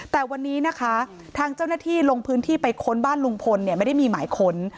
แต่วันนี้นะคะทางเจ้าหน้าที่ลงพื้นที่ไปค้นบ้านลุงพลเนี่ยไม่ได้มีหมายค้น